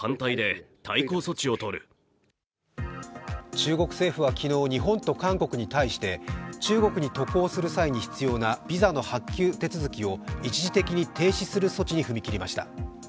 中国政府は昨日、日本と韓国に対して中国に渡航する際に必要なビザの発給手続きを一時的に停止する措置に踏み切りました。